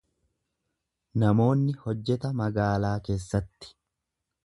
Namoonni hojjeta magaalaa keessatti.